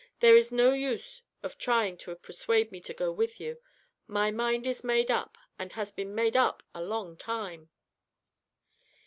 There is no use of trying to persuade me to go with you. My mind is made up, and has been made up a long time."